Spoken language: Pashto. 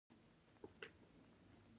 خلک دې د مرکو له لارې یوازې نه پاتې کېږي.